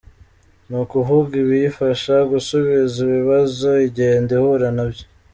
Ni ukuvuga ibiyifasha gusubiza ibibazo igenda ihura na byo.